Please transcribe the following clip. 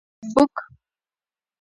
فیسبوک